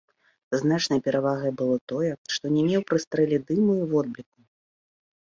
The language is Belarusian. Значнай перавагай было тое, што не меў пры стрэле дыму і водбліску.